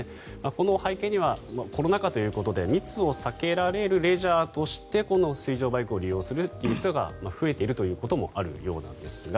この背景にはコロナ禍ということで密を避けられるレジャーとしてこの水上バイクを利用する人が増えているということもあるようなんですが